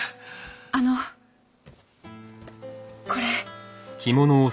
あのこれ。